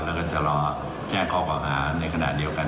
แล้วก็จะรอแจ้งข้อเก่าหาในขณะเดียวกัน